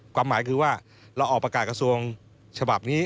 ความหมายคือว่าเราออกประกาศกระทรวงฉบับนี้